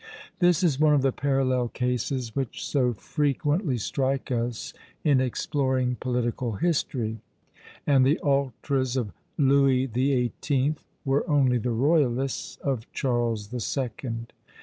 This is one of the parallel cases which so frequently strike us in exploring political history; and the ultras of Louis the Eighteenth were only the royalists of Charles the Second.